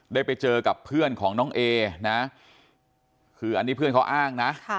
ได้ไปเจอกับเพื่อนของน้องเอนะคืออันนี้เพื่อนเขาอ้างนะ